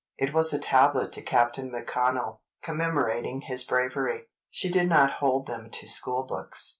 It was a tablet to Captain McConnell, commemorating his bravery. She did not hold them to schoolbooks.